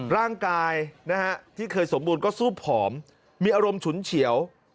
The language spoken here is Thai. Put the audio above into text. ร่างกายที่เคยสมบูรณ์ก็สู้ผอมมีอารมณ์ฉุนเฉียว